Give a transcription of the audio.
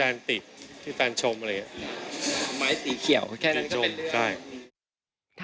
มายตีเขียวแค่นั้นก็เป็นเรื่อง